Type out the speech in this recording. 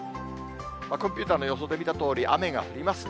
コンピューターの予想で見たとおり、雨が降りますね。